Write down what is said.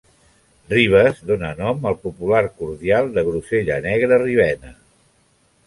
"Ribes" dona nom al popular cordial de grosella negra Ribena.